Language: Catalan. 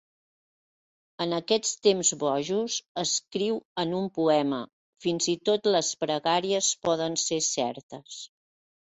"En aquests temps bojos" escriu en un poema, "fins i tot les pregàries poden ser certes".